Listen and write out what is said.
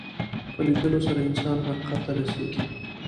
په لیدلو سره انسان حقیقت ته رسېږي